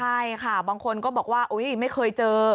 ใช่ค่ะบางคนก็บอกว่าไม่เคยเจอ